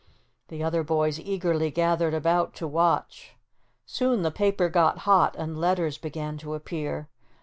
The other boys eagerly gathered about to watch. Soon the paper got hot and letters began to appear.